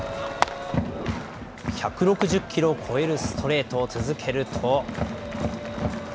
１６０キロを超えるストレートを続けると。